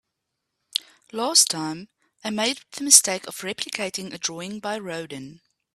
Last time, I made the mistake of replicating a drawing by Rodin.